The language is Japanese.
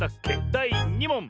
だい２もん。